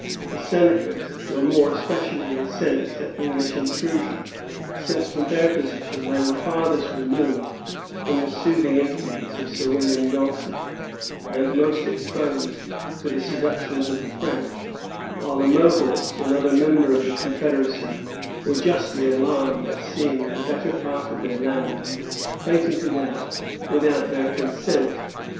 The Senecas were more especially incensed at English intrusion, since, from their position, they were farthest removed from the soothing influence of Sir William Johnson, and most exposed to the seductions of the French; while the Mohawks, another member of the confederacy, were justly alarmed at seeing the better part of their lands patented out without their consent.